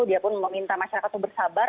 dia pun meminta masyarakat untuk bersabar